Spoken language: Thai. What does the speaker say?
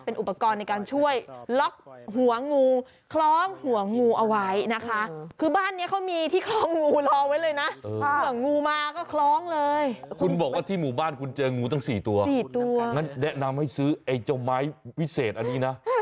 เพราะว่าคุณหัวเหนือน